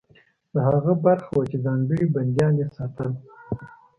دا هغه برخه وه چې ځانګړي بندیان یې ساتل.